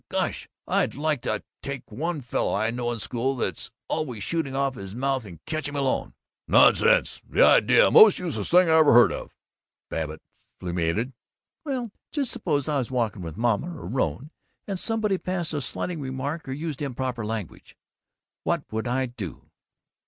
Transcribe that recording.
Gosh, I'd like to take one fellow I know in school that's always shooting off his mouth, and catch him alone " "Nonsense! The idea! Most useless thing I ever heard of!" Babbitt fulminated. "Well, just suppose I was walking with Mama or Rone, and somebody passed a slighting remark or used improper language. What would I do?"